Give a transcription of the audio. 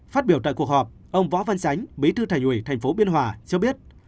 phát biểu tại cuộc họp ông võ văn sánh bí thư thành ủy tp biên hòa cho biết